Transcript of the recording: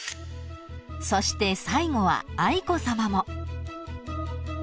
［そして最後は愛子さまも］